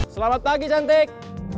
selamat pagi cantik